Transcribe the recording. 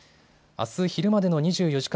あす昼までの２４時間